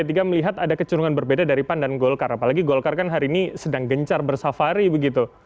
p tiga melihat ada kecerungan berbeda dari pan dan golkar apalagi golkar kan hari ini sedang gencar bersafari begitu